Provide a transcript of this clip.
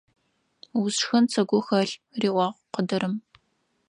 Усшхын сыгу хэлъ! – риӀуагъ къыдырым.